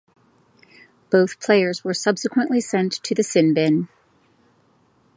Both players were subsequently sent to the sin bin.